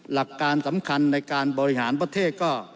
หลักการสำคัญในการบริหารประเทศก็